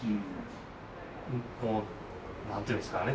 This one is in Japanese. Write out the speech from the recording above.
この何て言うんですかね。